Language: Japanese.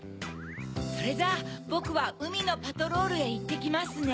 それじゃあぼくはうみのパトロールへいってきますね。